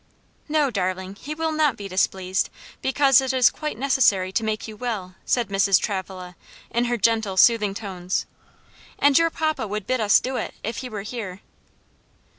"No, darling, he will not be displeased, because it is quite necessary to make you well." said Mrs. Travilla in her gentle, soothing tones; "and your papa would bid us do it, if he were here."